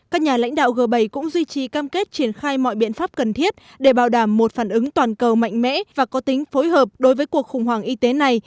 các nhà lãnh đạo g bảy cũng duy trì cam kết triển khai mọi biện pháp cần thiết để bảo đảm một phản ứng toàn cầu mạnh mẽ và có tính phối hợp đối với cuộc khủng hoảng y tế này